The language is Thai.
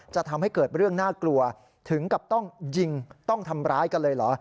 จะทำให้เกิดเรื่องน่ากลัวถึงกับต้องยิงต้องทำร้ายกันเลยเหรอ